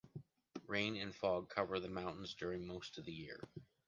Rain and fog cover the mountains during most of the year.